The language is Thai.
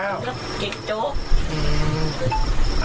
ลวกที่โจ้